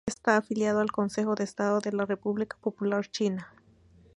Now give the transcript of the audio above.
Está afiliado al Consejo de Estado de la República Popular China.